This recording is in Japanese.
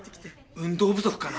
運動不足かな？